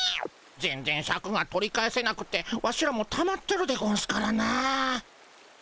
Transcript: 全然シャクが取り返せなくてワシらもたまってるでゴンスからなあ。